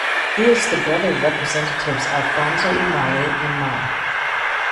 He is the brother of Representatives Alfonso Umali and Ma.